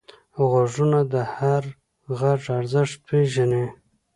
غوږونه د هر غږ ارزښت پېژني